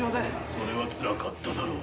それはつらかっただろう。